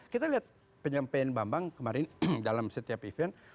kita lihat penyampaian bang bang kemarin dalam setiap event